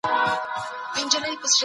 مینه به وګټي.